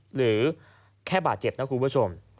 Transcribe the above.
หรือแค่บาดเจ็บนะคุณผู้ชม